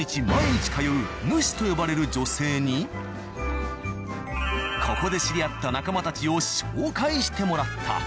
毎日通うヌシと呼ばれる女性にここで知り合った仲間たちを紹介してもらった。